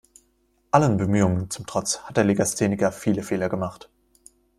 Allen Bemühungen zum Trotz hat der Legastheniker viele Fehler gemacht.